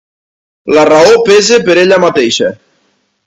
La raó pesa per ella mateixa.